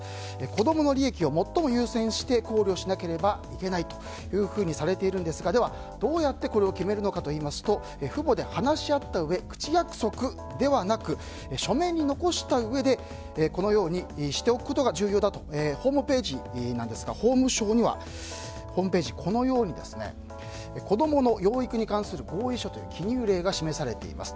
子供の利益を最も優先して考慮しなければいけないとされているんですが、どうやってこれを決めるのかというと父母で話し合ったうえ口約束ではなく書面に残したうえでこのようにしておくことが重要だと法務省のホームページにはこのように子供の養育に関する合意書という記入例が示されています